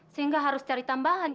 sehingga harus cari tambahan